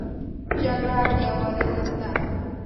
جګړه د یووالي ضد ده